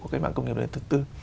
của cái mạng công nghiệp lần thứ tư